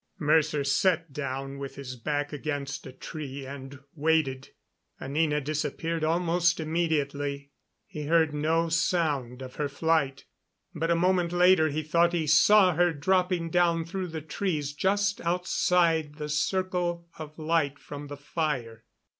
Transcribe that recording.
Mercer sat down with his back against a tree and waited. Anina disappeared almost immediately. He heard no sound of her flight, but a moment later he thought he saw her dropping down through the trees just outside the circle of light from the fire.